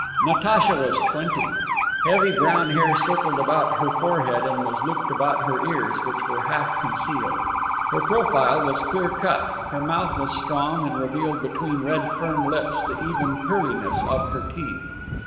Natacha was twenty. Heavy brown hair circled about er forehead and was looped about her ears, which were half concealed. Her profile was clear cut; her mouth was strong and revealed between red, firm lips the even pearliness of her teeth.